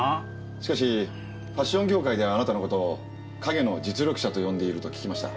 しかしファッション業界ではあなたの事を陰の実力者と呼んでいると聞きました。